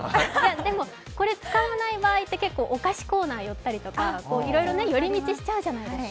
でも、これを使わない場合ってお菓子コーナーに寄ったりとかいろいろ寄り道しちゃうじゃないですか。